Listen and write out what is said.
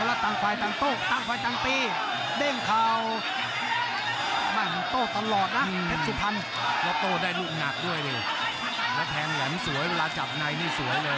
หมดบอกว่าทั้งคู่เป็นมือที่ออกอาวุธอันตรายเลยนะวันนี้